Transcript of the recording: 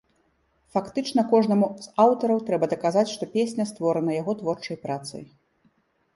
Фактычна кожнаму з аўтараў трэба даказаць, што песня створана яго творчай працай.